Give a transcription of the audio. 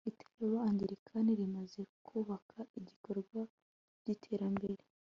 itorero anglikani rimaze kubaka ibikorwa by'iterambere